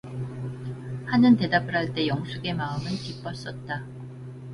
하는 대답을 할 때 영숙의 마음은 기뻤었다.